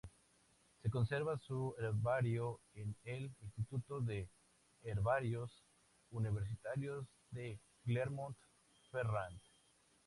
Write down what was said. Se conserva su herbario en el "Instituto de Herbarios Universitarios de Clermont-Ferrand